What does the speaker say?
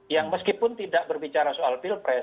yang meskipun tidak berbicara soal pilpres